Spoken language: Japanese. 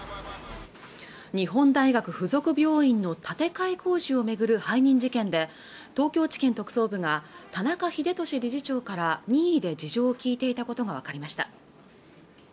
日本大学付属病院の建て替え工事を巡る背任事件で東京地検特捜部が田中英寿理事長から任意で事情を聞いていたことが分かりました